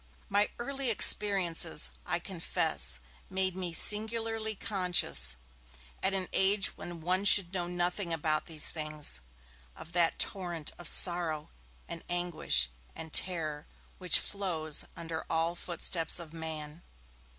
My early experiences, I confess, made me singularly conscious, at an age when one should know nothing about these things, of that torrent of sorrow and anguish and terror which flows under all footsteps of man.